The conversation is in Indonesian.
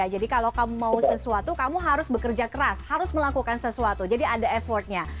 jadi kalau kamu mau sesuatu kamu harus bekerja keras harus melakukan sesuatu jadi ada effortnya